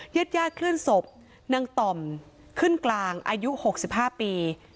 เย็ดคลื่นศพนางต่อมขึ้นกลางอายุ๖๕ปี